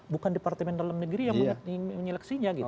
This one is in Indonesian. bukan departemen dalam negeri yang menyeleksinya gitu